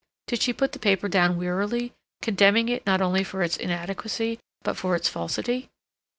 Did she put the paper down wearily, condemning it not only for its inadequacy but for its falsity?